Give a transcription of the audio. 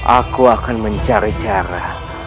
aku akan mencari cara